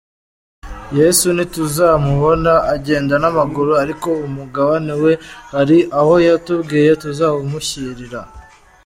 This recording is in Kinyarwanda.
Yesu ntituzamubona agenda n’amaguru ariko umugabane we hari aho yatubwiye tuzawumushyirira.